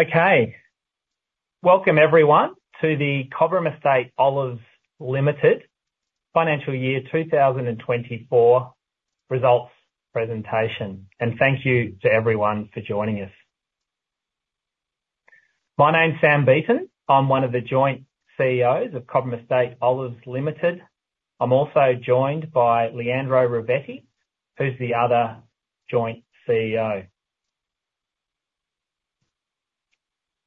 Okay. Welcome everyone to the Cobram Estate Olives Limited Financial Year 2024 Results Presentation. And thank you to everyone for joining us. My name's Sam Beaton. I'm one of the joint CEOs of Cobram Estate Olives Limited. I'm also joined by Leandro Ravetti, who's the other joint CEO.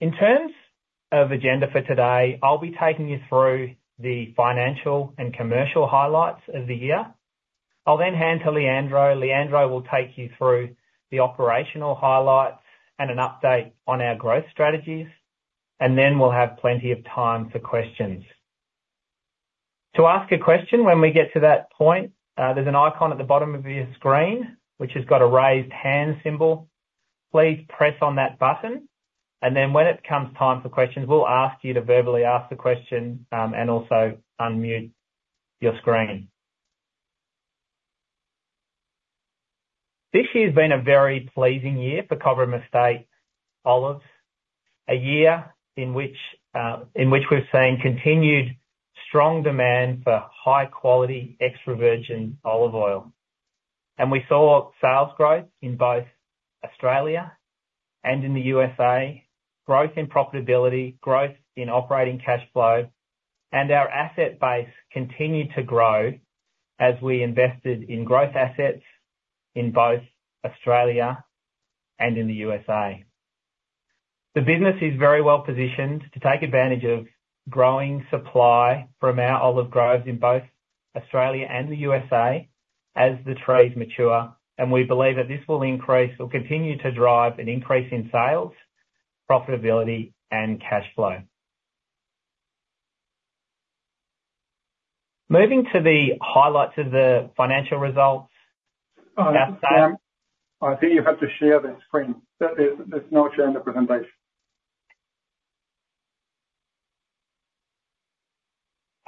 In terms of agenda for today, I'll be taking you through the financial and commercial highlights of the year. I'll then hand to Leandro. Leandro will take you through the operational highlights and an update on our growth strategies. And then we'll have plenty of time for questions. To ask a question when we get to that point, there's an icon at the bottom of your screen which has got a raised hand symbol. Please press on that button, and then when it comes time for questions, we'll ask you to verbally ask the question, and also unmute your screen. This year's been a very pleasing year for Cobram Estate Olives. A year in which we've seen continued strong demand for high quality extra virgin olive oil. We saw sales growth in both Australia and in the USA, growth in profitability, growth in operating cash flow, and our asset base continued to grow as we invested in growth assets in both Australia and in the USA. The business is very well positioned to take advantage of growing supply from our olive groves in both Australia and the USA as the trees mature, and we believe that this will increase or continue to drive an increase in sales, profitability, and cash flow. Moving to the highlights of the financial results. Our sales- I think you have to share that screen. There, there's no share in the presentation.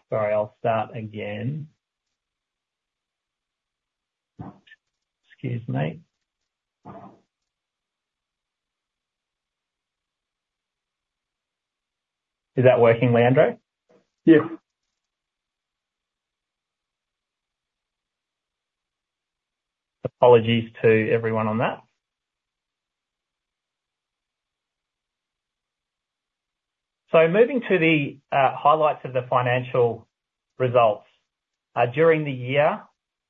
Sorry, I'll start again. Excuse me. Is that working, Leandro? Yeah. Apologies to everyone on that. So moving to the highlights of the financial results. During the year,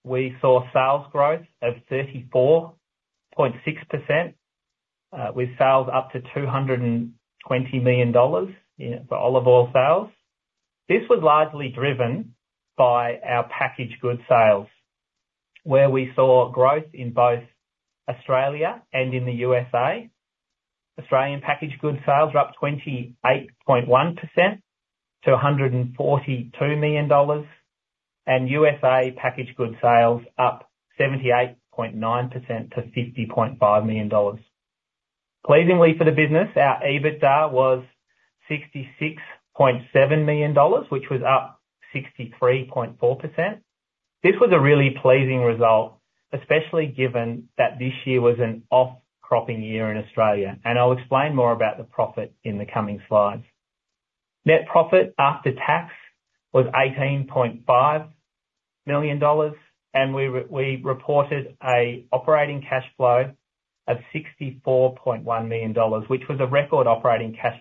we saw sales growth of 34.6%. We sold up to 220 million dollars in for olive oil sales. This was largely driven by our packaged goods sales, where we saw growth in both Australia and in the USA. Australian packaged goods sales were up 28.1% to 142 million dollars, and USA packaged goods sales up 78.9% to $50.5 million. Pleasingly for the business, our EBITDA was 66.7 million dollars, which was up 63.4%. This was a really pleasing result, especially given that this year was an off cropping year in Australia, and I'll explain more about the profit in the coming slides. Net profit after tax was 18.5 million dollars, and we reported a operating cash flow of 64.1 million dollars, which was a record operating cash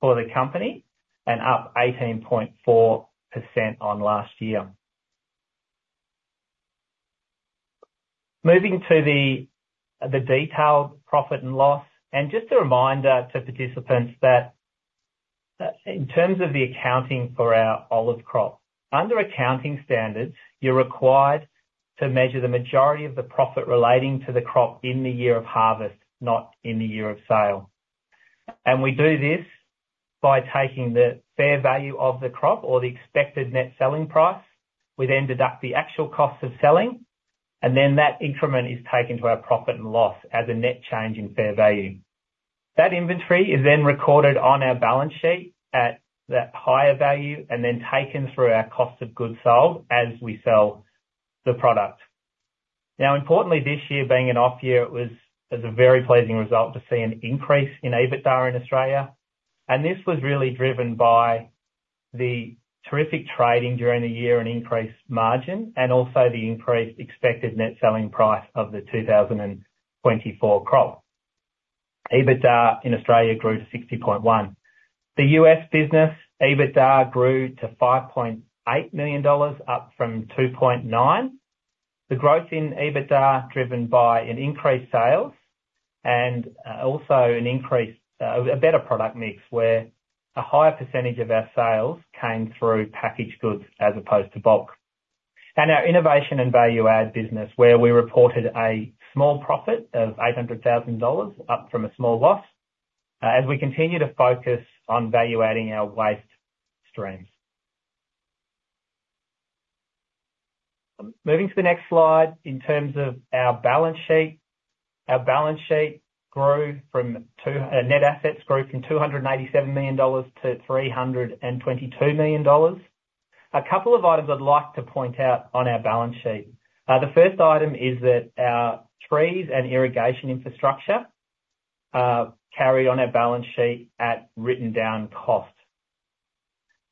flow for the company and up 18.4% on last year. Moving to the detailed profit and loss, and just a reminder to participants that in terms of the accounting for our olive crop, under accounting standards, you're required to measure the majority of the profit relating to the crop in the year of harvest, not in the year of sale, and we do this by taking the fair value of the crop or the expected net selling price. We then deduct the actual cost of selling, and then that increment is taken to our profit and loss as a net change in fair value. That inventory is then recorded on our balance sheet at that higher value and then taken through our cost of goods sold as we sell the product. Now, importantly, this year being an off year, it was as a very pleasing result to see an increase in EBITDA in Australia. And this was really driven by the terrific trading during the year and increased margin, and also the increased expected net selling price of the 2024 crop. EBITDA in Australia grew to 60.1. The U.S. business, EBITDA grew to $5.8 million, up from $2.9 million. The growth in EBITDA, driven by an increased sales and also an increased, a better product mix, where a higher percentage of our sales came through packaged goods as opposed to bulk. And our innovation and value add business, where we reported a small profit of 800,000 dollars, up from a small loss, as we continue to focus on value-adding our waste streams. Moving to the next slide, in terms of our balance sheet. Our net assets grew from 287 million dollars to 322 million dollars. A couple of items I'd like to point out on our balance sheet. The first item is that our trees and irrigation infrastructure carry on our balance sheet at written down cost.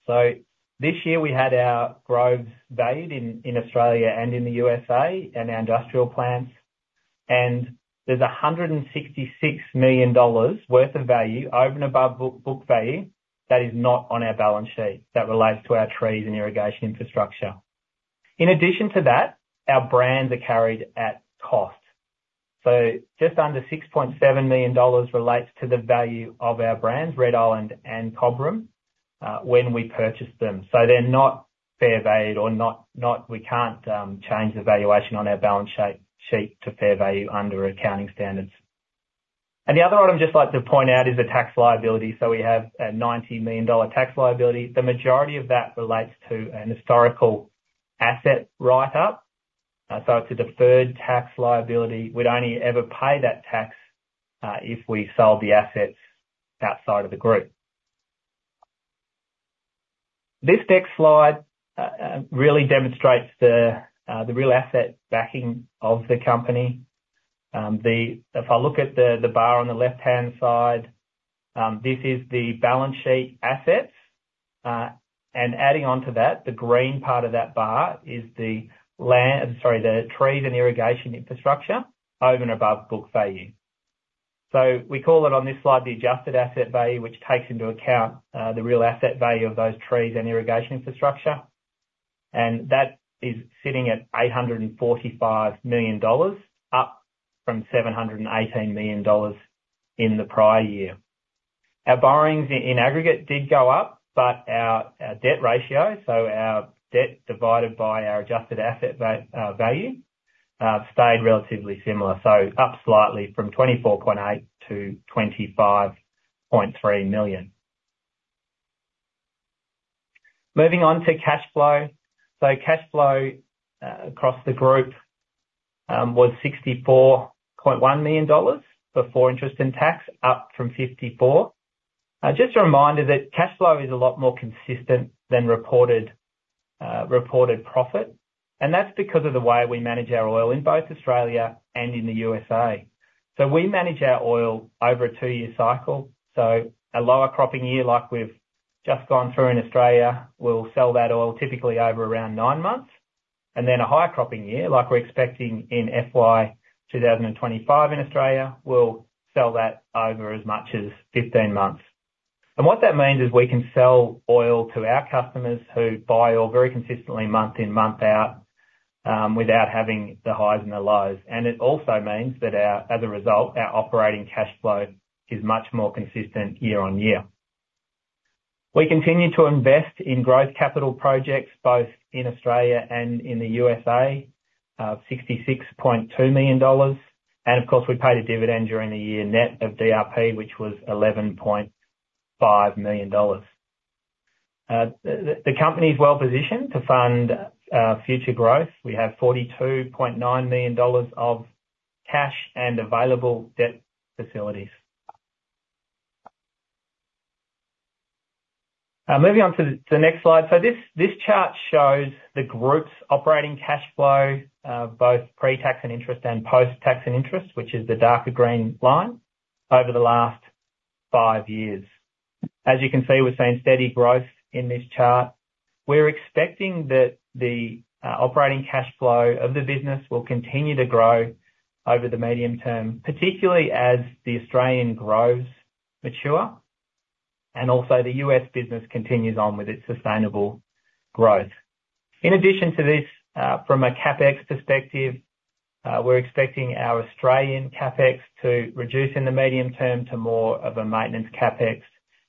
So this year we had our groves valued in Australia and in the USA, and our industrial plants, and there's 166 million dollars worth of value over and above book value that is not on our balance sheet. That relates to our trees and irrigation infrastructure. In addition to that, our brands are carried at cost, so just under 6.7 million dollars relates to the value of our brands, Red Island and Cobram, when we purchased them, so they're not fair value. We can't change the valuation on our balance sheet to fair value under accounting standards, and the other item I'd just like to point out is the tax liability, so we have a 90 million dollar tax liability. The majority of that relates to an historical asset write-up, so it's a deferred tax liability. We'd only ever pay that tax if we sold the assets outside of the group. This next slide really demonstrates the real asset backing of the company. If I look at the bar on the left-hand side, this is the balance sheet assets, and adding on to that, the green part of that bar is the land, sorry, the trees and irrigation infrastructure over and above book value. So we call it on this slide, the adjusted asset value, which takes into account the real asset value of those trees and irrigation infrastructure. And that is sitting at 845 million dollars, up from 718 million dollars in the prior year. Our borrowings in aggregate did go up, but our debt ratio, so our debt divided by our adjusted asset value, stayed relatively similar, so up slightly from 24.8 million-25.3 million. Moving on to cash flow. Cash flow across the group was 64.1 million dollars before interest and tax, up from 54 million. Just a reminder that cash flow is a lot more consistent than reported profit, and that's because of the way we manage our oil in both Australia and in the USA. We manage our oil over a two-year cycle. A lower cropping year, like we've just gone through in Australia, we'll sell that oil typically over around 9 months, and then a higher cropping year, like we're expecting in FY 2025 in Australia, we'll sell that over as much as 15 months. What that means is we can sell oil to our customers who buy oil very consistently month in, month out without having the highs and the lows. It also means that our, as a result, our operating cash flow is much more consistent year on year. We continue to invest in growth capital projects, both in Australia and in the USA, 66.2 million dollars. And of course, we paid a dividend during the year net of DRP, which was 11.5 million dollars. The company is well positioned to fund future growth. We have 42.9 million dollars of cash and available debt facilities. Moving on to the next slide. This chart shows the group's operating cash flow, both pre-tax and interest, and post-tax and interest, which is the darker green line, over the last five years. As you can see, we're seeing steady growth in this chart. We're expecting that the operating cash flow of the business will continue to grow over the medium term, particularly as the Australian groves mature, and also the U.S. business continues on with its sustainable growth. In addition to this, from a CapEx perspective, we're expecting our Australian CapEx to reduce in the medium term to more of a maintenance CapEx,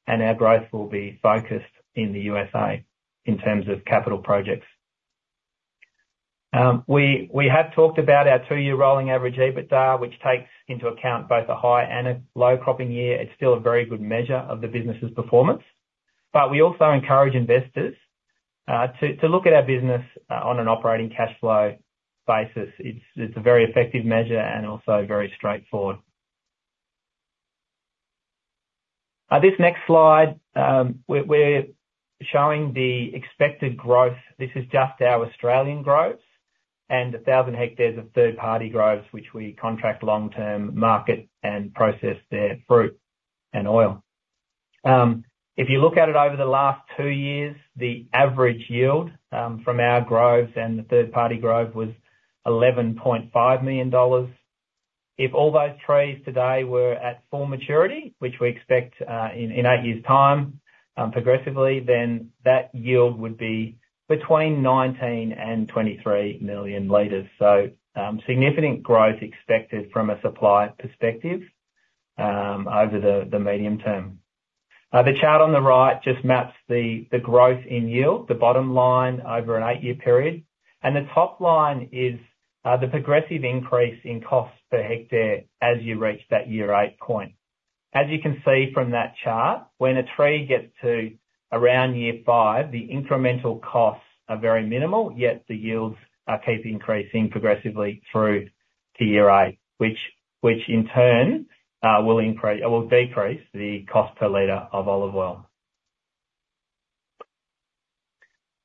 and our growth will be focused in the USA in terms of capital projects. We have talked about our two-year rolling average EBITDA, which takes into account both a high and a low cropping year. It's still a very good measure of the business's performance, but we also encourage investors to look at our business on an operating cash flow basis. It's a very effective measure and also very straightforward. This next slide, we're showing the expected growth. This is just our Australian growth and 1,000 hectares of third-party growth, which we contract long-term market and process their fruit and oil. If you look at it over the last two years, the average yield from our groves and the third-party grove was 11.5 million dollars. If all those trees today were at full maturity, which we expect, in 8 years' time, progressively, then that yield would be between 19 and 23 million L. So, significant growth expected from a supply perspective, over the medium term. The chart on the right just maps the growth in yield, the bottom line over an 8-year period, and the top line is the progressive increase in cost per hectare as you reach that year eight point. As you can see from that chart, when a tree gets to around year five, the incremental costs are very minimal, yet the yields keep increasing progressively through to year eight, which in turn will increase- or will decrease the cost per liter of olive oil.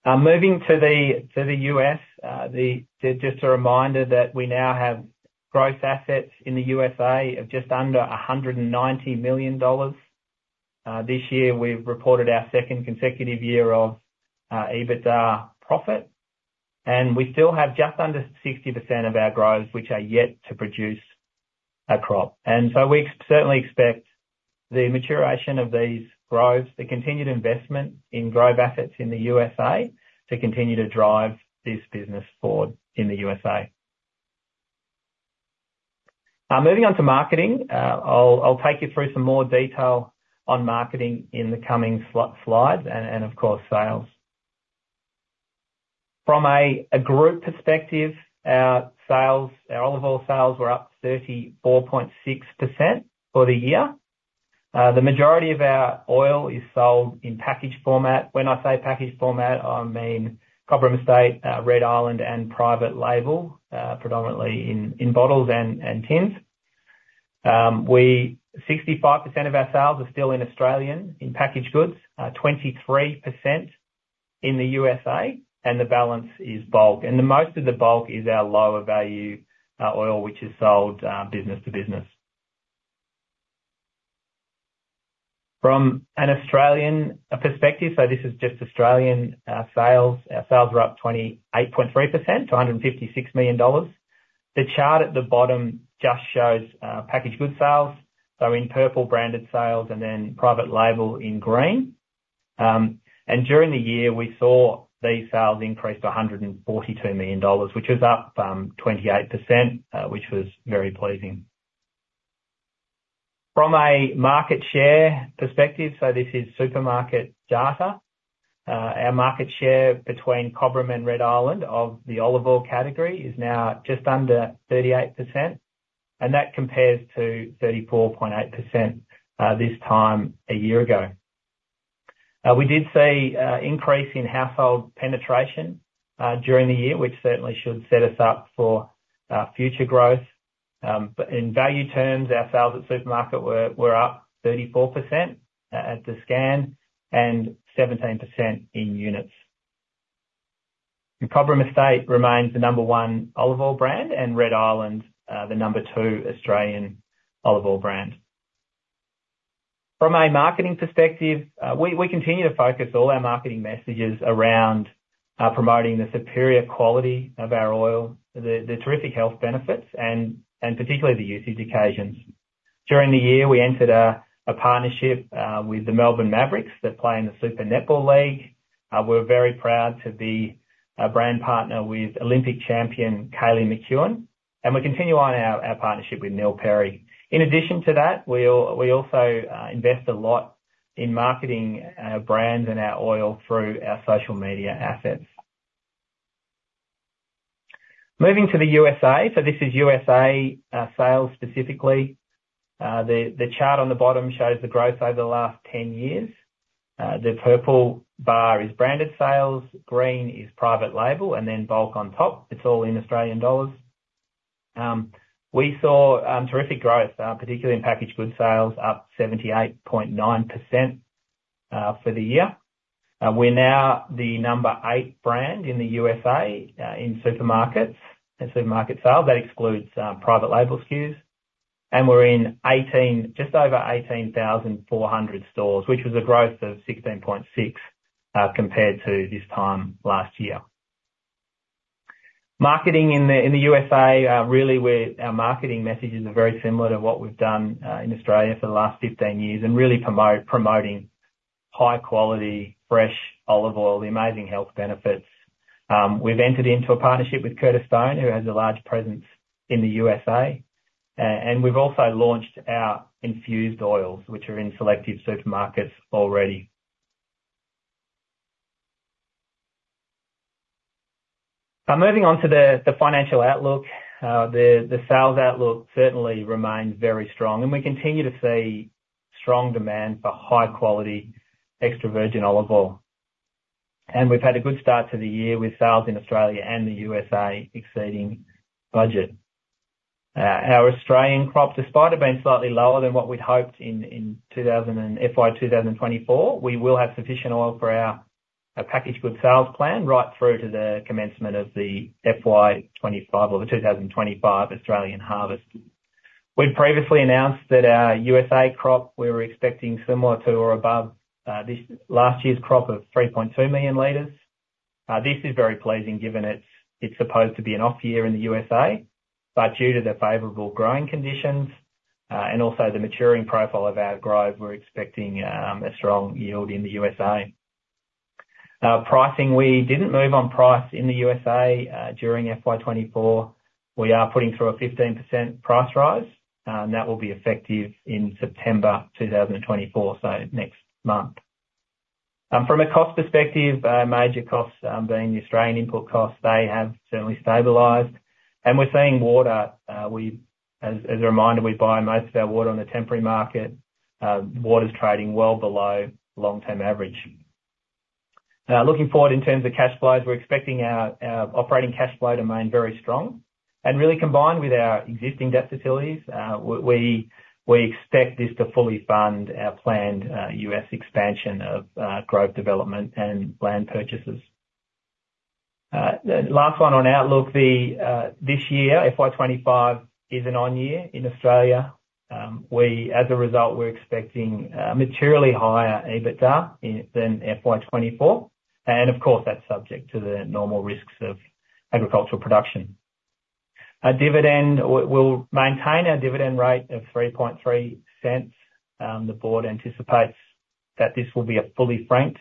Now, moving to the U.S., just a reminder that we now have growth assets in the USA of just under $190 million. This year, we've reported our second consecutive year of EBITDA profit, and we still have just under 60% of our groves, which are yet to produce a crop. And so we certainly expect the maturation of these groves, the continued investment in grove assets in the USA, to continue to drive this business forward in the USA. Moving on to marketing. I'll take you through some more detail on marketing in the coming slides, and of course, sales. From a group perspective, our sales, our olive oil sales were up 34.6% for the year. The majority of our oil is sold in package format. When I say package format, I mean Cobram Estate, Red Island, and private label, predominantly in bottles and tins. Sixty-five percent of our sales are still in Australia in packaged goods, 23% in the USA, and the balance is bulk. Most of the bulk is our lower value oil, which is sold business to business. From an Australian perspective, so this is just Australian sales. Our sales are up 28.3% to 156 million dollars. The chart at the bottom just shows packaged good sales, so in purple, branded sales, and then private label in green. And during the year, we saw these sales increase to 142 million dollars, which is up 28%, which was very pleasing. From a market share perspective, so this is supermarket data. Our market share between Cobram and Red Island of the olive oil category is now just under 38%, and that compares to 34.8% this time a year ago. We did see an increase in household penetration during the year, which certainly should set us up for future growth. But in value terms, our sales at supermarket were up 34% at the scan, and 17% in units. Cobram Estate remains the number one olive oil brand, and Red Island, the number two Australian olive oil brand. From a marketing perspective, we continue to focus all our marketing messages around, promoting the superior quality of our oil, the terrific health benefits, and particularly the usage occasions. During the year, we entered a partnership, with the Melbourne Mavericks that play in the Super Netball league. We're very proud to be a brand partner with Olympic champion, Kaylee McKeown, and we continue on our partnership with Neil Perry. In addition to that, we also invest a lot in marketing our brand and our oil through our social media assets. Moving to the USA. So this is USA sales specifically. The chart on the bottom shows the growth over the last 10 years. The purple bar is branded sales, green is private label, and then bulk on top. It's all in AUD. We saw terrific growth, particularly in packaged goods sales, up 78.9%, for the year. We're now the number 8 brand in the USA, in supermarkets and supermarket sales. That excludes private label SKUs. And we're in just over 18,400 stores, which was a growth of 16.6%, compared to this time last year. Marketing in the USA really, where our marketing messages are very similar to what we've done in Australia for the last 15 years, and really promoting high quality, fresh olive oil, the amazing health benefits. We've entered into a partnership with Curtis Stone, who has a large presence in the USA, and we've also launched our infused oils, which are in selective supermarkets already. So moving on to the financial outlook. The sales outlook certainly remains very strong, and we continue to see strong demand for high quality extra virgin olive oil. And we've had a good start to the year with sales in Australia and the USA exceeding budget. Our Australian crops despite have been slightly lower than what we'd hoped in two thousand and twenty-four, FY two thousand and twenty-four, we will have sufficient oil for our package good sales plan right through to the commencement of the FY 2025 or the two thousand and twenty-five Australian harvest. We've previously announced that our USA crop we were expecting similar to or above this last year's crop of 3.2 million L. This is very pleasing given it, it's supposed to be an off year in the USA, but due to the favorable growing conditions and also the maturing profile of our groves, we're expecting a strong yield in the USA. Pricing, we didn't move on price in the USA during FY 2024. We are putting through a 15% price rise, and that will be effective in September 2024, so next month. From a cost perspective, major costs being the Australian input costs, they have certainly stabilized, and we're seeing water. As a reminder, we buy most of our water on the temporary market. Water is trading well below long-term average. Looking forward in terms of cash flows, we're expecting our operating cash flow to remain very strong, and really combined with our existing debt facilities, we expect this to fully fund our planned U.S. expansion of growth, development, and land purchases. The last one on outlook, this year, FY 2025, is an on year in Australia. As a result, we're expecting materially higher EBITDA than FY 2024, and of course, that's subject to the normal risks of agricultural production. Our dividend, we'll maintain our dividend rate of 0.033. The board anticipates that this will be a fully franked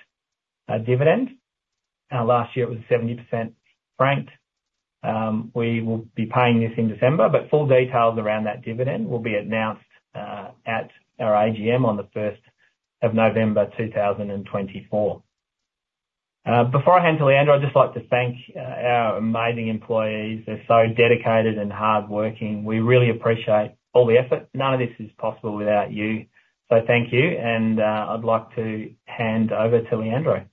dividend. Last year it was 70% franked. We will be paying this in December, but full details around that dividend will be announced at our AGM on the first of November, two thousand and twenty-four. Before I hand to Leandro, I'd just like to thank our amazing employees. They're so dedicated and hardworking. We really appreciate all the effort. None of this is possible without you. So thank you, and I'd like to hand over to Leandro.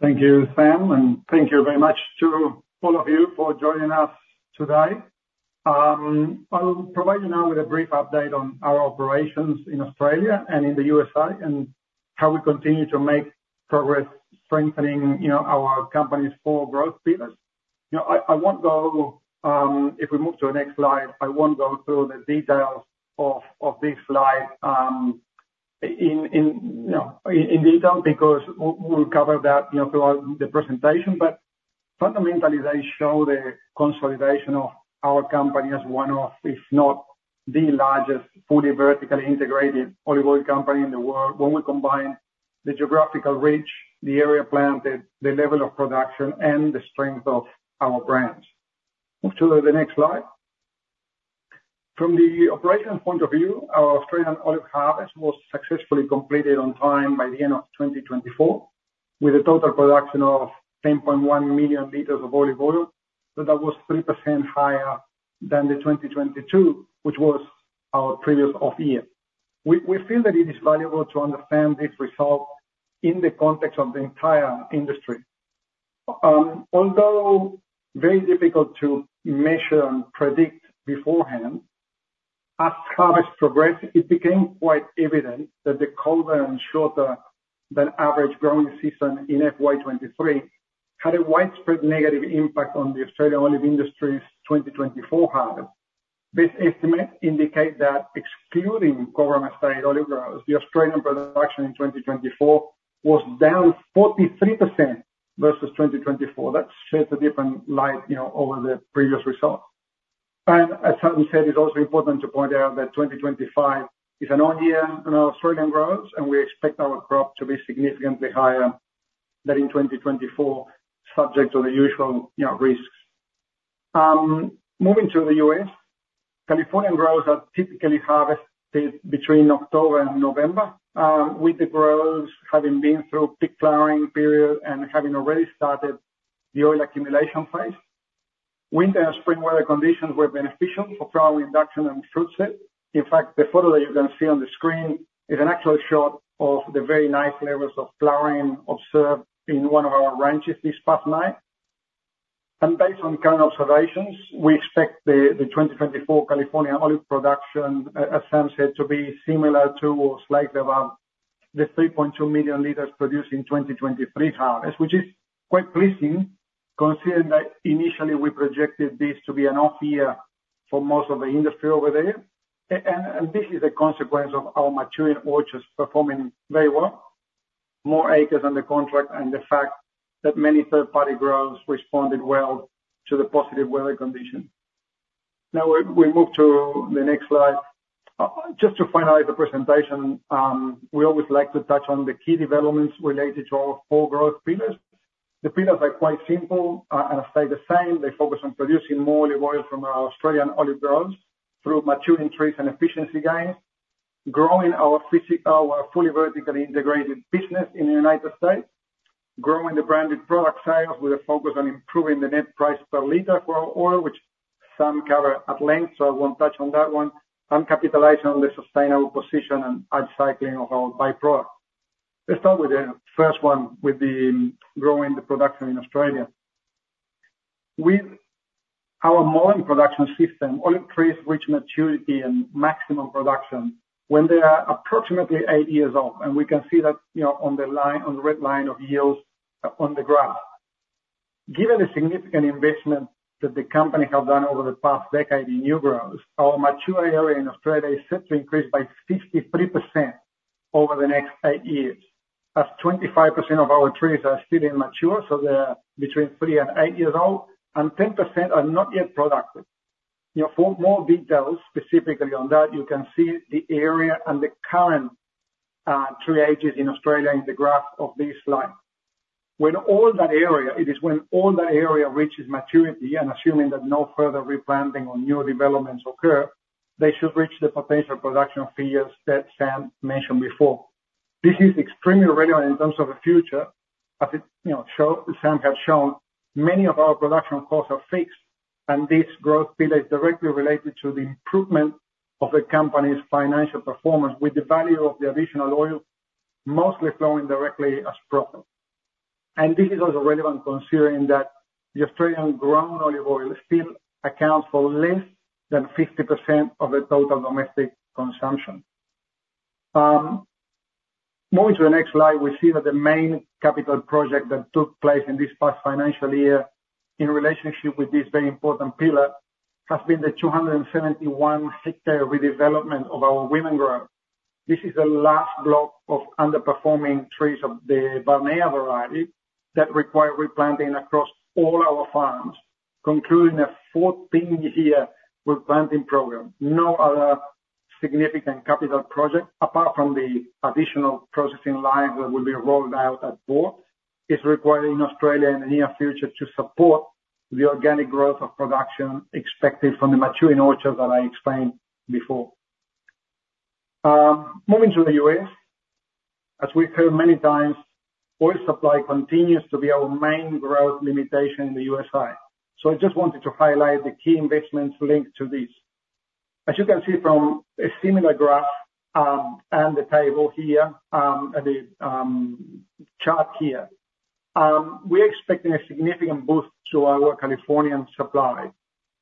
Thank you, Sam, and thank you very much to all of you for joining us today. I'll provide you now with a brief update on our operations in Australia and in the USA, and how we continue to make progress strengthening, you know, our company's four growth pillars. You know, I won't go. If we move to the next slide, I won't go through the details of this slide in, you know, in detail, because we'll cover that, you know, throughout the presentation. But fundamentally, they show the consolidation of our company as one of, if not the largest, fully vertically integrated olive oil company in the world, when we combine the geographical reach, the area planted, the level of production, and the strength of our brands. Move to the next slide. From the operational point of view, our Australian olive harvest was successfully completed on time by the end of 2024, with a total production of 10.1 million L of olive oil, so that was 3% higher than the 2022, which was our previous off year. We, we feel that it is valuable to understand this result in the context of the entire industry. Although very difficult to measure and predict beforehand, as harvest progressed, it became quite evident that the colder and shorter than average growing season in FY 2023 had a widespread negative impact on the Australian olive industry's 2024 harvest. This estimate indicate that excluding government-led olive growers, the Australian production in 2024 was down 43% versus 2023. That sheds a different light, you know, over the previous result. As Sam said, it's also important to point out that twenty twenty-five is an on year on our Australian growers, and we expect our crop to be significantly higher than in twenty twenty-four, subject to the usual, you know, risks. Moving to the U.S., California growers are typically harvested between October and November, with the growers having been through peak flowering period and having already started the oil accumulation phase. Winter and spring weather conditions were beneficial for flower induction and fruit set. In fact, the photo that you're gonna see on the screen is an actual shot of the very nice levels of flowering observed in one of our ranches this past night. Based on current observations, we expect the 2024 California olive production, as Sam said, to be similar to or slightly above the 3.2 million L produced in 2023 harvest. Which is quite pleasing, considering that initially we projected this to be an off year for most of the industry over there. And this is a consequence of our maturing orchards performing very well, more acres under contract, and the fact that many third-party growers responded well to the positive weather conditions. Now, we move to the next slide. Just to finalize the presentation, we always like to touch on the key developments related to our four growth pillars. The pillars are quite simple, and stay the same. They focus on producing more olive oil from our Australian olive groves through maturing trees and efficiency gains. Growing our fully vertically integrated business in the United States. Growing the branded product sales, with a focus on improving the net price per liter for our oil, which some cover at length, so I won't touch on that one. And capitalizing on the sustainable position and upcycling of our by-product. Let's start with the first one, with the growing production in Australia. With our modern production system, olive trees reach maturity and maximum production when they are approximately eight years old, and we can see that, you know, on the line, on the red line of yields on the graph. Given the significant investment that the company has done over the past decade in new groves, our mature area in Australia is set to increase by 53% over the next eight years, as 25% of our trees are still immature, so they're between three and eight years old, and 10% are not yet productive. You know, for more details specifically on that, you can see the area and the current, tree ages in Australia in the graph of this slide. When all that area... It is when all that area reaches maturity, and assuming that no further replanting or new developments occur, they should reach the potential production figures that Sam mentioned before. This is extremely regular in terms of the future, as it, you know, Sam has shown many of our production costs are fixed. This growth pillar is directly related to the improvement of the company's financial performance, with the value of the additional oil mostly flowing directly as profit. This is also relevant, considering that the Australian grown olive oil still accounts for less than 50% of the total domestic consumption. Moving to the next slide, we see that the main capital project that took place in this past financial year, in relationship with this very important pillar, has been the 271-hectare redevelopment of our Wilman Grove. This is the last block of underperforming trees of the Barnea variety, that require replanting across all our farms, concluding a 14-year replanting program. No other significant capital project, apart from the additional processing line that will be rolled out at Boort, is required in Australia in the near future to support the organic growth of production expected from the maturing orchards that I explained before. Moving to the U.S., as we've heard many times, oil supply continues to be our main growth limitation in the U.S. side, so I just wanted to highlight the key investments linked to this. As you can see from a similar graph and the table here, the chart here, we're expecting a significant boost to our Californian supply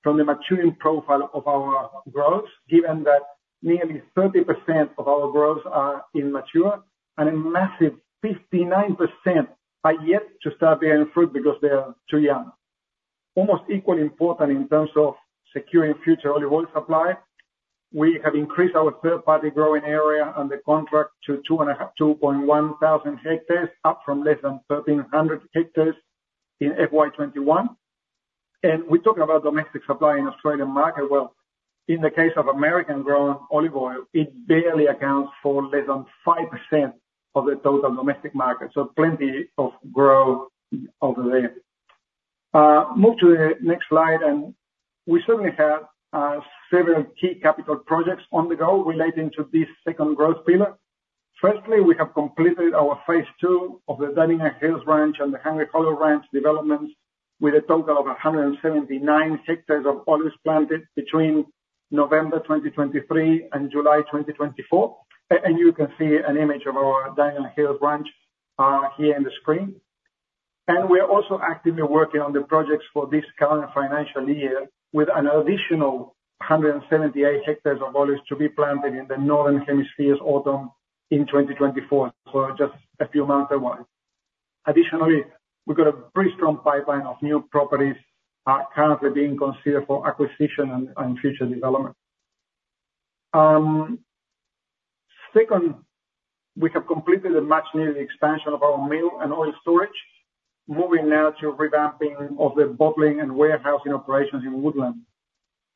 from the maturing profile of our groves, given that nearly 30% of our groves are immature and a massive 59% are yet to start bearing fruit because they are too young. Almost equally important in terms of securing future olive oil supply, we have increased our third party growing area under contract to two and a half - two point one thousand hectares, up from less than 1,300 hectares in FY 2021, and we're talking about domestic supply in Australian market. In the case of American-grown olive oil, it barely accounts for less than 5% of the total domestic market, so plenty of growth over there. Move to the next slide, and we certainly have several key capital projects on the go relating to this second growth pillar. Firstly, we have completed our phase two of the Dunnigan Hills Ranch and the Hungry Hollow Ranch developments, with a total of 179 hectares of olives planted between November 2023 and July 2024. And you can see an image of our Dunnigan Hills ranch here on the screen. We are also actively working on the projects for this current financial year, with an additional 178 hectares of olives to be planted in the Northern Hemisphere's autumn in 2024, so just a few months away. Additionally, we've got a pretty strong pipeline of new properties, are currently being considered for acquisition and future development. Second, we have completed the much needed expansion of our mill and oil storage, moving now to revamping of the bottling and warehousing operations in Woodland.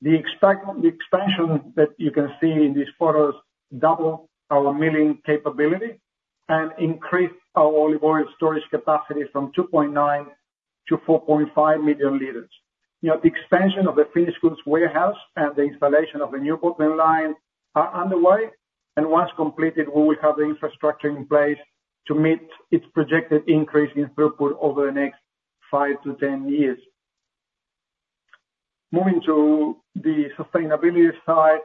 The expansion that you can see in these photos double our milling capability and increase our olive oil storage capacity from 2.9 million-4.5 million L. Now, the expansion of the finished goods warehouse and the installation of a new bottling line are underway, and once completed, we will have the infrastructure in place to meet its projected increase in throughput over the next five to 10 years. Moving to the sustainability side,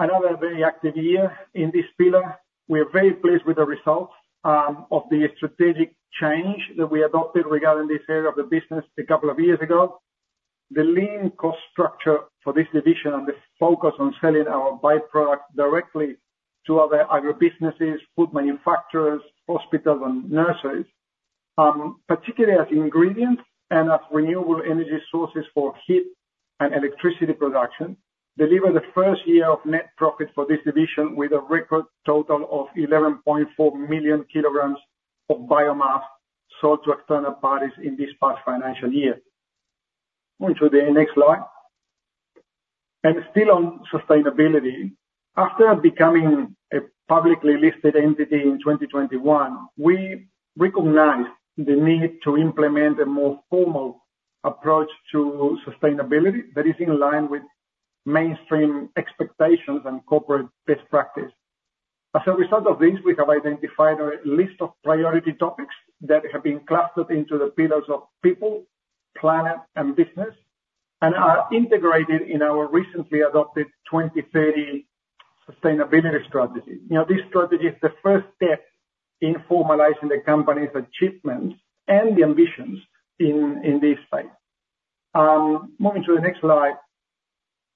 another very active year in this pillar. We are very pleased with the results of the strategic change that we adopted regarding this area of the business a couple of years ago. The lean cost structure for this division, and the focus on selling our byproducts directly to other agribusinesses, food manufacturers, hospitals, and nurseries, particularly as ingredients and as renewable energy sources for heat and electricity production, delivered the first year of net profit for this division with a record total of 11.4 million kg of biomass sold to external parties in this past financial year. Moving to the next slide, and still on sustainability, after becoming a publicly listed entity in 2021, we recognized the need to implement a more formal approach to sustainability that is in line with mainstream expectations and corporate best practice. As a result of this, we have identified a list of priority topics that have been clustered into the pillars of people, planet, and business, and are integrated in our recently adopted 2030 sustainability strategy. Now, this strategy is the first step in formalizing the company's achievements and the ambitions in this space. Moving to the next slide.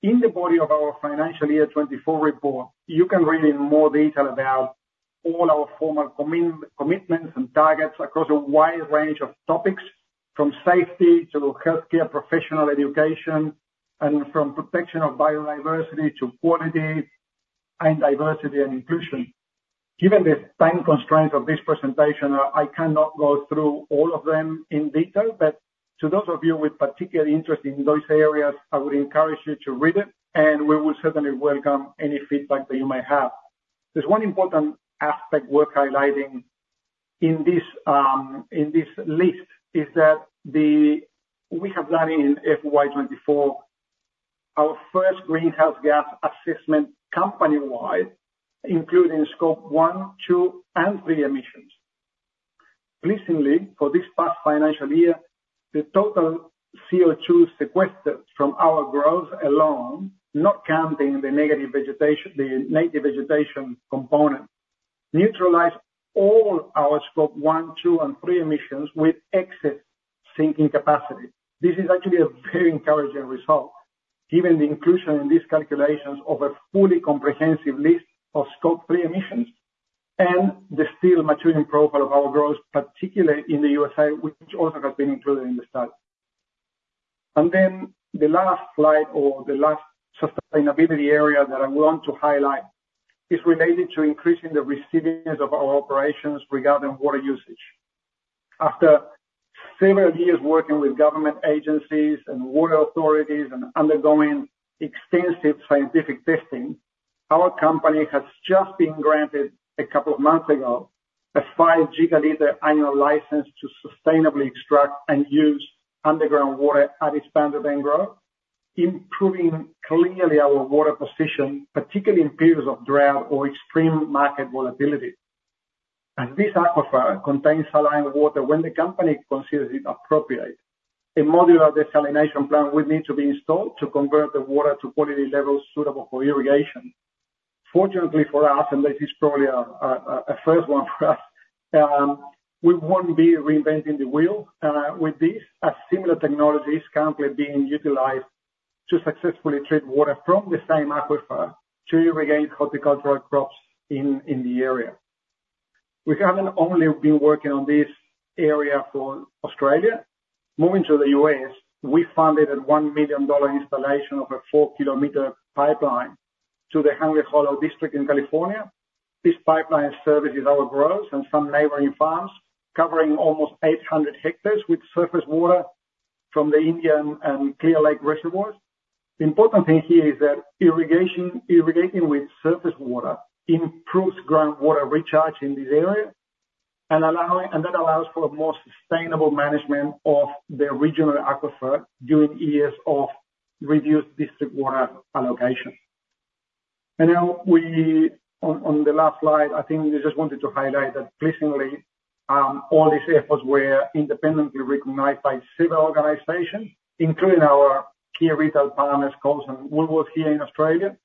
In the body of our financial year 2024 report, you can read in more detail about all our formal commitments and targets across a wide range of topics, from safety to healthcare, professional education, and from protection of biodiversity to quality and diversity and inclusion. Given the time constraint of this presentation, I cannot go through all of them in detail, but to those of you with particular interest in those areas, I would encourage you to read it, and we will certainly welcome any feedback that you might have. There's one important aspect worth highlighting in this list, is that we have done in FY 2024, our first greenhouse gas assessment company-wide, including Scope 1, 2, and 3 emissions. Pleasingly, for this past financial year, the total CO₂ sequestered from our groves alone, not counting the native vegetation, the native vegetation component, neutralized all our Scope 1, 2, and 3 emissions with excess sinking capacity. This is actually a very encouraging result, given the inclusion in these calculations of a fully comprehensive list of Scope 3 emissions and the still maturing profile of our growth, particularly in the USA, which also has been included in the study. Then the last slide or the last sustainability area that I want to highlight is related to increasing the resilience of our operations regarding water usage. After several years working with government agencies and water authorities and undergoing extensive scientific testing, our company has just been granted, a couple of months ago, a 5 GL annual license to sustainably extract and use underground water at expansion and growth, improving clearly our water position, particularly in periods of drought or extreme market volatility. This aquifer contains saline water when the company considers it appropriate. A modular desalination plant would need to be installed to convert the water to quality levels suitable for irrigation. Fortunately for us, and this is probably a first one for us, we won't be reinventing the wheel, with this, as similar technology is currently being utilized to successfully treat water from the same aquifer to irrigate horticultural crops in the area. We haven't only been working on this area for Australia. Moving to the U.S., we funded a $1 million installation of a 4 km pipeline to the Hungry Hollow district in California. This pipeline services our growers and some neighboring farms, covering almost eight hundred hectares with surface water from the Indian and Clear Lake reservoirs. The important thing here is that irrigation, irrigating with surface water improves groundwater recharge in this area and that allows for a more sustainable management of the regional aquifer during years of reduced district water allocation. And now we on the last slide, I think we just wanted to highlight that pleasingly all these efforts were independently recognized by several organizations, including our key retail partners, Coles and Woolworths, here in Australia.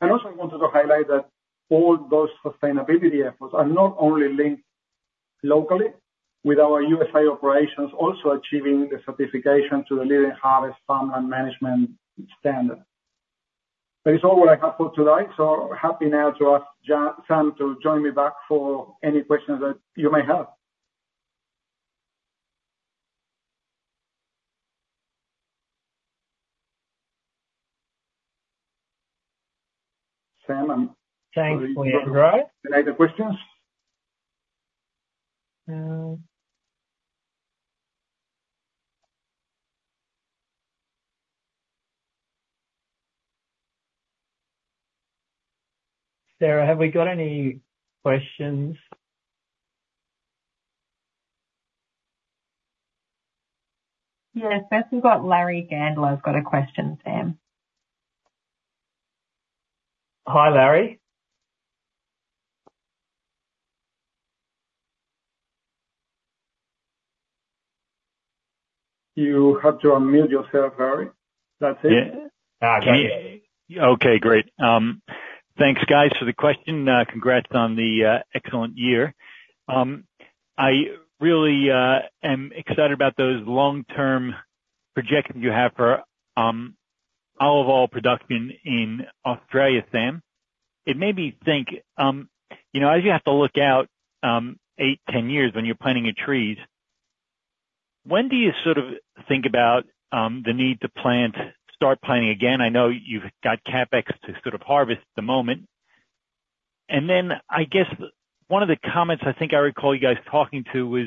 And also wanted to highlight that all those sustainability efforts are not only linked locally with our USA operations, also achieving the certification to the Leading Harvest Farm Management Standard. That is all what I have for today, so happy now to ask Sam to join me back for any questions that you may have. Sam, Thanks, Leandro. Are there any questions? Sarah, have we got any questions? Yes, first we've got Larry Gandler's got a question, Sam. Hi, Larry. You have to unmute yourself, Larry. That's it. Okay, great. Thanks, guys, for the question. Congrats on the excellent year. I really am excited about those long-term projections you have for olive oil production in Australia, Sam. It made me think, you know, as you have to look out eight, 10 years when you're planting your trees, when do you sort of think about the need to plant, start planting again? I know you've got CapEx to sort of harvest at the moment. And then, I guess, one of the comments I think I recall you guys talking to was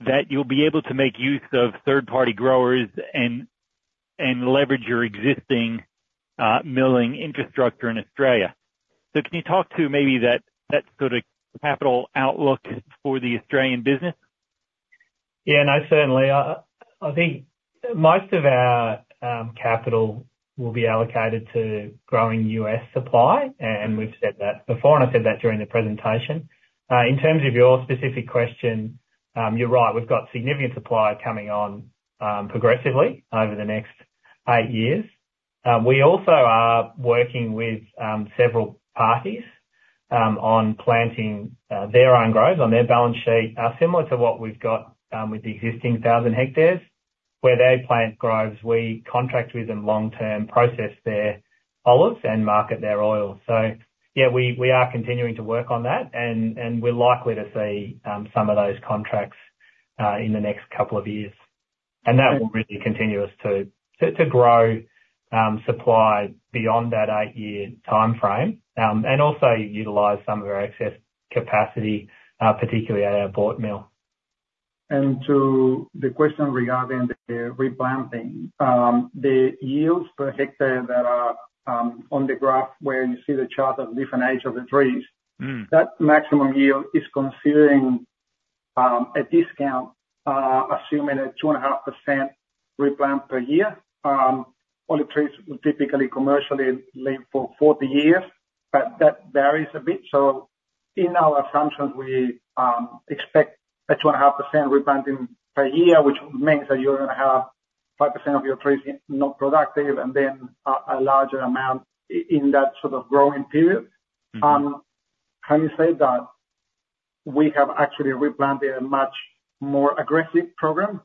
that you'll be able to make use of third-party growers and leverage your existing milling infrastructure in Australia. So can you talk to maybe that sort of capital outlook for the Australian business? Yeah, no, certainly. I think most of our capital will be allocated to growing U.S. supply, and we've said that before, and I said that during the presentation. In terms of your specific question, you're right, we've got significant supply coming on progressively over the next eight years. We also are working with several parties on planting their own groves on their balance sheet, similar to what we've got with the existing thousand hectares, where they plant groves, we contract with them long-term, process their olives, and market their oil. So yeah, we are continuing to work on that and we're likely to see some of those contracts in the next couple of years. That will really continue to grow supply beyond that eight-year timeframe, and also utilize some of our excess capacity, particularly at our Boort mill. To the question regarding the replanting, the yields per hectare that are on the graph, where you see the chart of different age of the trees. Mm. that maximum yield is considering a discount, assuming a 2.5% replant per year. Olive trees will typically commercially live for 40 years. But that varies a bit. So in our assumptions, we expect a 2.5% replanting per year, which means that you're gonna have 5% of your trees not productive, and then a larger amount in that sort of growing period. Having said that, we have actually replanted a much more aggressive program,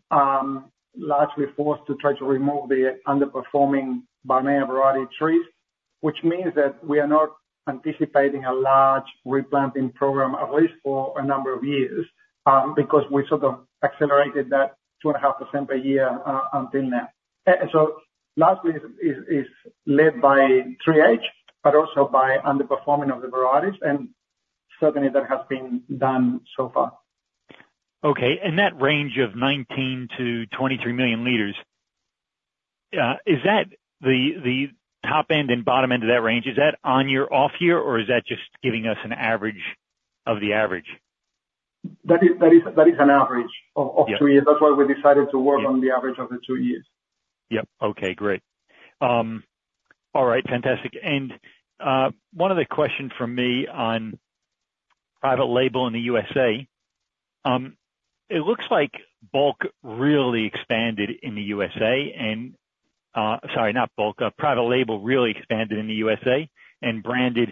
largely forced to try to remove the underperforming Barnea variety trees, which means that we are not anticipating a large replanting program at least for a number of years, because we sort of accelerated that 2.5% per year until now. So, lastly, is led by tree age, but also by underperforming of the varieties, and certainly that has been done so far. Okay. And that range of 19 million-23 million L is that the top end and bottom end of that range, is that on your off year, or is that just giving us an average of the average? That is an average of three years. Yeah. That's why we decided to work- Yeah... on the average of the two years. Yep. Okay, great. All right, fantastic, and one other question from me on private label in the USA. It looks like bulk really expanded in the USA, and sorry, not bulk. Private label really expanded in the USA, and branded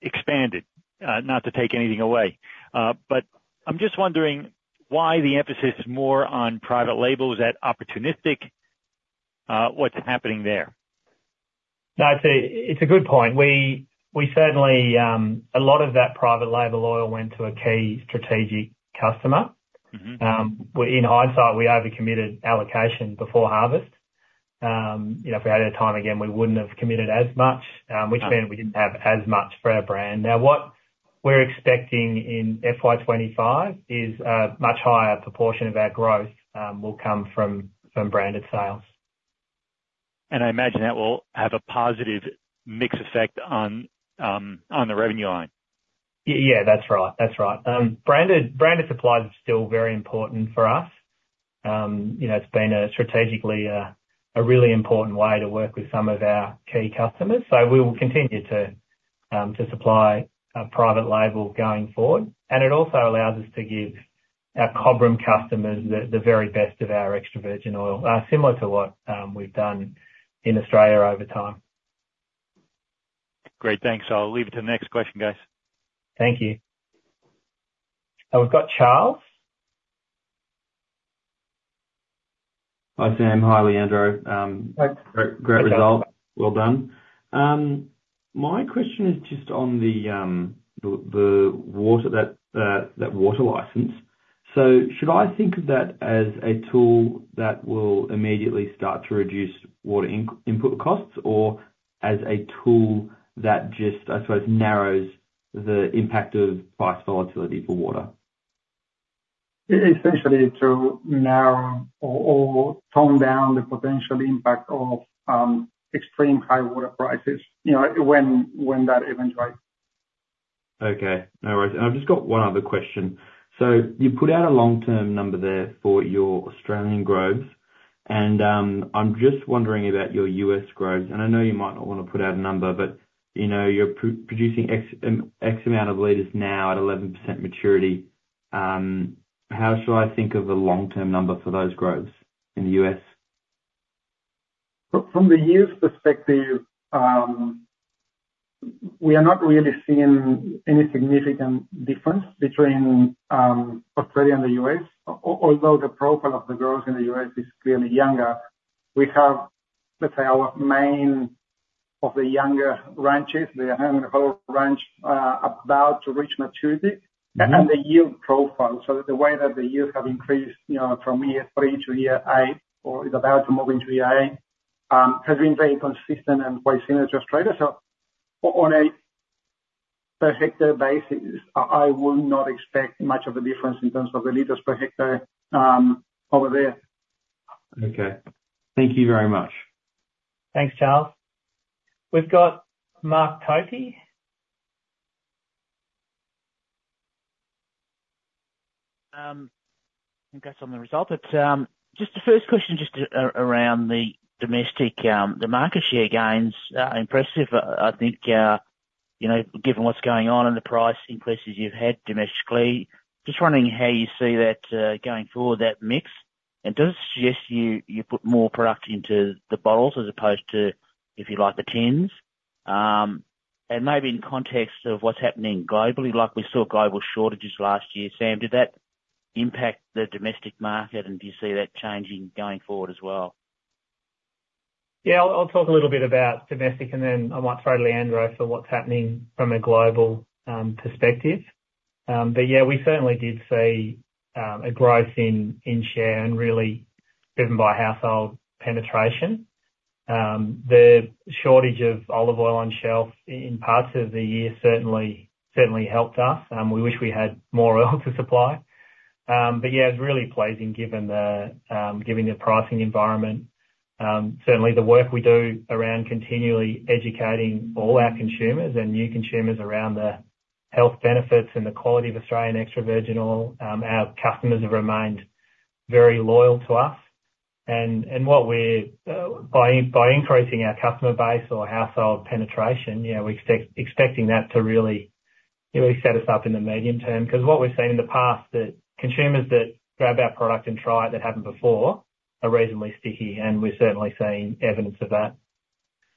expanded. Not to take anything away, but I'm just wondering why the emphasis is more on private label. Is that opportunistic? What's happening there? No, it's a good point. We certainly, a lot of that private label oil went to a key strategic customer. Mm-hmm. In hindsight, we overcommitted allocation before harvest. You know, if we had it a time again, we wouldn't have committed as much, which meant we didn't have as much for our brand. Now, what we're expecting in FY 2025 is a much higher proportion of our growth will come from branded sales. I imagine that will have a positive mix effect on the revenue line. Yeah, that's right, that's right. Branded supplies is still very important for us. You know, it's been strategically a really important way to work with some of our key customers. So we will continue to supply a private label going forward, and it also allows us to give our cobrand customers the very best of our extra virgin oil, similar to what we've done in Australia over time. Great. Thanks. I'll leave it to the next question, guys. Thank you. Now, we've got Charles. Hi, Sam. Hi, Leandro. Hi. Great result. Well done. My question is just on the water, that water license. So should I think of that as a tool that will immediately start to reduce water input costs, or as a tool that just, I suppose, narrows the impact of price volatility for water? Essentially to narrow or tone down the potential impact of extreme high water prices, you know, when that eventuate. Okay. No worries. And I've just got one other question. So you put out a long-term number there for your Australian groves, and I'm just wondering about your U.S. groves, and I know you might not want to put out a number, but, you know, you're producing x amount of liters now at 11% maturity. How should I think of the long-term number for those groves in the U.S.? From the U.S. perspective, we are not really seeing any significant difference between Australia and the U.S.. Although the profile of the growers in the U.S. is clearly younger, we have, let's say, our main of the younger ranches, the whole ranch, about to reach maturity- Mm-hmm... and the yield profile. So the way that the yields have increased, you know, from year three to year eight, or is about to move into year eight, has been very consistent and quite similar to Australia. So on a per hectare basis, I would not expect much of a difference in terms of the liters per hectare, over there. Okay. Thank you very much. Thanks, Charles. We've got Mark Tobin. I guess on the results, just the first question, just around the domestic, the market share gains are impressive. I think, you know, given what's going on and the price increases you've had domestically, just wondering how you see that, going forward, that mix, and does it suggest you put more product into the bottles as opposed to, if you like, the tins? And maybe in context of what's happening globally, like we saw global shortages last year. Sam, did that impact the domestic market, and do you see that changing, going forward as well? Yeah, I'll talk a little bit about domestic, and then I might throw to Leandro for what's happening from a global perspective. But yeah, we certainly did see a growth in share and really driven by household penetration. The shortage of olive oil on shelf in parts of the year certainly helped us. We wish we had more oil to supply. But yeah, it's really pleasing given the pricing environment. Certainly the work we do around continually educating all our consumers and new consumers around the health benefits and the quality of Australian extra virgin oil; our customers have remained very loyal to us, and what we're by increasing our customer base or household penetration, yeah, we expecting that to really, really set us up in the medium term. 'Cause what we've seen in the past, that consumers that grab our product and try it, that haven't before, are reasonably sticky, and we're certainly seeing evidence of that.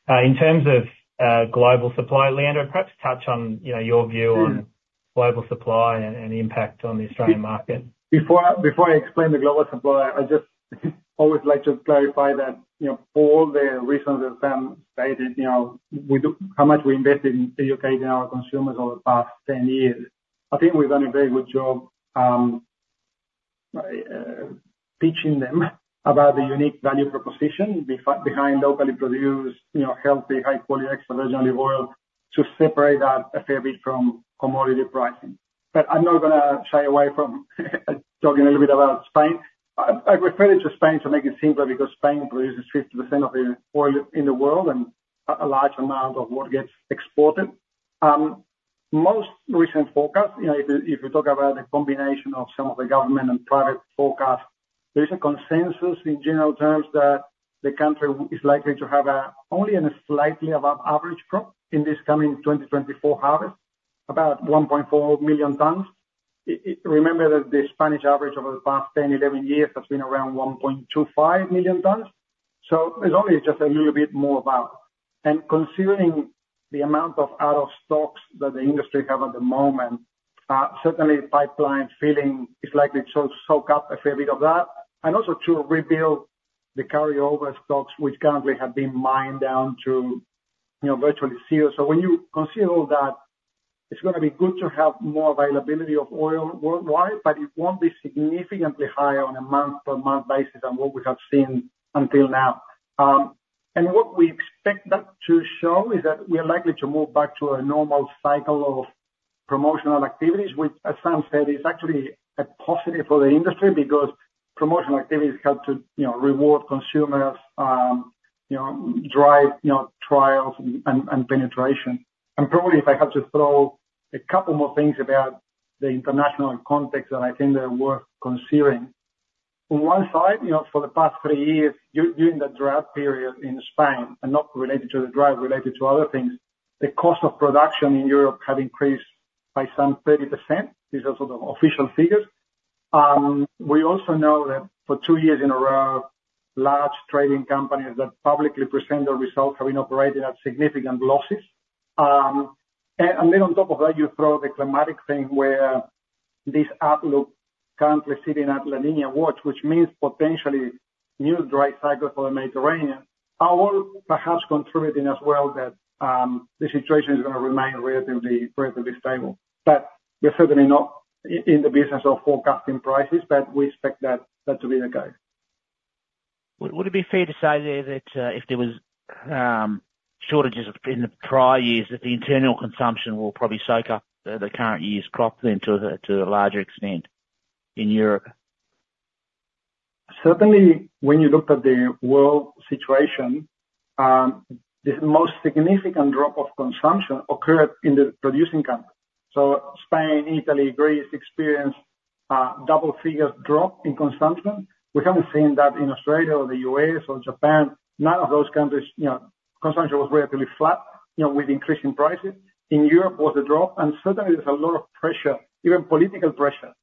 In terms of global supply, Leandro, perhaps touch on, you know, your view on global supply and the impact on the Australian market. Before I explain the global supply, I just always like to clarify that, you know, for all the reasons that Sam stated, you know, how much we invested in educating our consumers over the past 10 years, I think we've done a very good job, teaching them about the unique value proposition behind locally produced, you know, healthy, high quality extra virgin olive oil, to separate that a fair bit from commodity pricing. But I'm not gonna shy away from talking a little bit about Spain. I refer it to Spain to make it simpler, because Spain produces 50% of the oil in the world and a large amount of what gets exported. Most recent forecast, you know, if you talk about the combination of some of the government and private forecasts, there is a consensus in general terms, that the country is likely to have only a slightly above average crop in this coming twenty twenty-four harvest, about 1.4 million tons. Remember that the Spanish average over the past 10, 11 years has been around 1.25 million tons, so it's only just a little bit more above. Considering the amount of out-of-stocks that the industry has at the moment, certainly pipeline filling is likely to soak up a fair bit of that, and also to rebuild the carryover stocks, which currently have been mined down to, you know, virtually zero. So when you consider all that, it's gonna be good to have more availability of oil worldwide, but it won't be significantly higher on a month-to-month basis than what we have seen until now. And what we expect that to show is that we are likely to move back to a normal cycle of promotional activities, which, as Sam said, is actually a positive for the industry, because promotional activities help to, you know, reward consumers, you know, drive, you know, trials and penetration. And probably, if I have to throw a couple more things about the international context that I think that are worth considering. On one side, you know, for the past three years, during the drought period in Spain, and not related to the drought, related to other things, the cost of production in Europe had increased by some 30%. These are sort of official figures. We also know that for two years in a row, large trading companies that publicly present their results have been operating at significant losses, and then on top of that, you throw the climatic thing, where this outlook currently sitting at La Niña watch, which means potentially new dry cycle for the Mediterranean, are all perhaps contributing as well that the situation is gonna remain relatively stable, but we're certainly not in the business of forecasting prices, but we expect that to be the case. Would it be fair to say then, that if there was shortages in the prior years, that the internal consumption will probably soak up the current year's crop then to a larger extent in Europe? Certainly when you look at the world situation, the most significant drop of consumption occurred in the producing countries, so Spain, Italy, Greece, experienced a double figure drop in consumption. We haven't seen that in Australia, or the U.S., or Japan. None of those countries, you know, consumption was relatively flat, you know, with increasing prices. In Europe was a drop, and certainly there's a lot of pressure, even political pressure,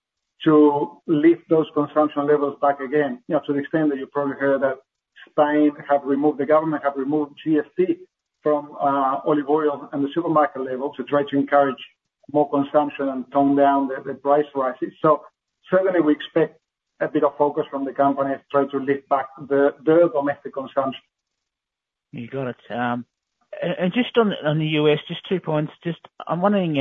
to lift those consumption levels back again. You know, to the extent that you've probably heard that Spain have removed, the government have removed GST from olive oil on the supermarket level, to try to encourage more consumption and tone down the price rises, so certainly we expect a bit of focus from the company to try to lift back the their domestic consumption. You got it. And just on the U.S., just two points. Just I'm wondering,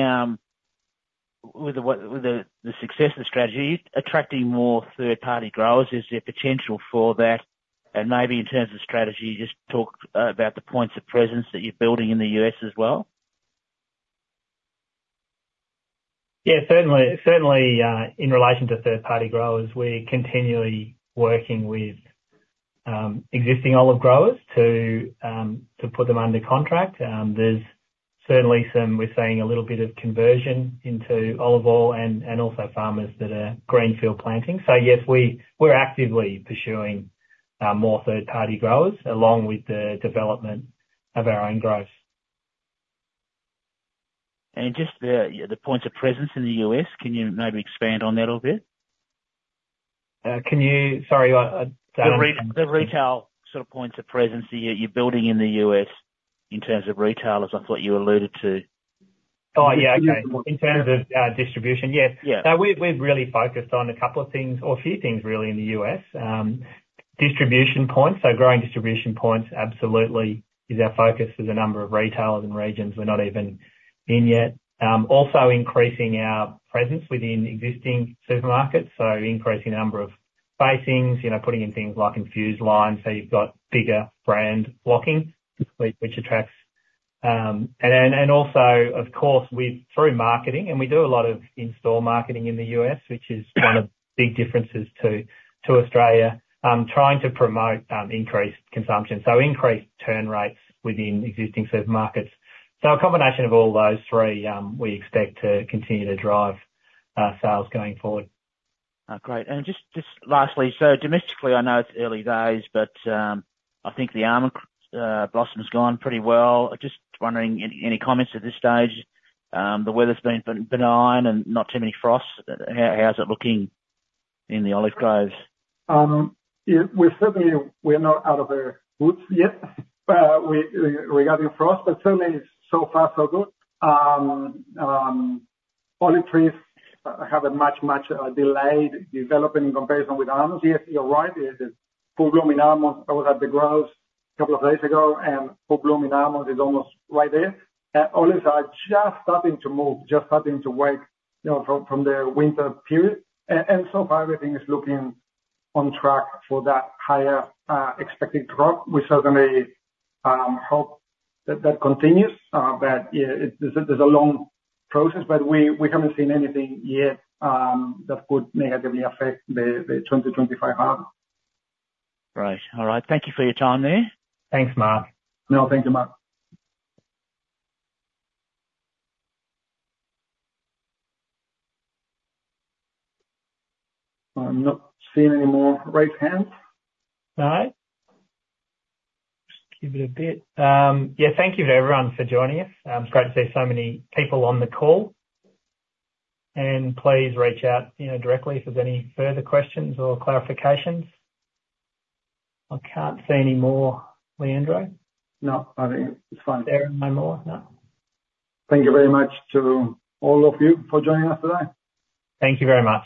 with the success of the strategy, attracting more third-party growers, is there potential for that? And maybe in terms of strategy, just talk about the points of presence that you're building in the U.S. as well. Yeah, certainly, in relation to third-party growers, we're continually working with existing olive growers to put them under contract. There's certainly some. We're seeing a little bit of conversion into olive oil and also farmers that are greenfield planting. So yes, we're actively pursuing more third-party growers, along with the development of our own growth. And just the points of presence in the U.S., can you maybe expand on that a little bit? Can you... Sorry, I... The retail sort of points of presence that you're building in the U.S., in terms of retailers. I thought you alluded to. Oh, yeah. Okay. In terms of- In terms of distribution. Yes. Yeah. We've really focused on a couple of things or a few things really in the U.S. Distribution points, so growing distribution points absolutely is our focus. There's a number of retailers and regions we're not even in yet. Also increasing our presence within existing supermarkets, so increasing the number of facings, you know, putting in things like infused lines, so you've got bigger brand blocking, which attracts... And also, of course, we've through marketing, and we do a lot of in-store marketing in the U.S., which is one of big differences to Australia, trying to promote increased consumption, so increased turn rates within existing supermarkets. A combination of all those three, we expect to continue to drive sales going forward. Great. And just lastly, so domestically, I know it's early days, but I think the almond blossom's gone pretty well. Just wondering, any comments at this stage? The weather's been benign and not too many frosts. How's it looking in the olive groves? Yeah, we're certainly not out of the woods yet regarding frost, but certainly so far so good. Olive trees have a much, much delayed development in comparison with almonds. Yes, you're right, it is full bloom in almonds. I was at the groves a couple of days ago, and full bloom in almonds is almost right there, and olives are just starting to move, just starting to wake, you know, from the winter period, and so far, everything is looking on track for that higher expected growth. We certainly hope that that continues, but yeah, there's a long process, but we haven't seen anything yet that could negatively affect the 2025 harvest. Great. All right. Thank you for your time there. Thanks, Mark. No, thank you, Mark. I'm not seeing any more raised hands. No? Just give it a bit. Yeah, thank you to everyone for joining us. It's great to see so many people on the call, and please reach out, you know, directly if there's any further questions or clarifications. I can't see any more, Leandro. No, I think it's fine. There are no more? No. Thank you very much to all of you for joining us today. Thank you very much.